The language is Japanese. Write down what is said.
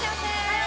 はい！